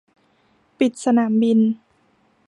ปิดสนามบิน